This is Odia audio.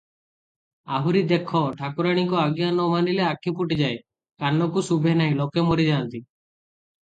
ଆହୁରି ଦେଖ; ଠାକୁରାଣୀଙ୍କ ଆଜ୍ଞା ନ ମାନିଲେ ଆଖି ଫୁଟିଯାଏ, କାନକୁ ଶୁଭେ ନାହିଁ, ଲୋକେ ମରିଯାନ୍ତି ।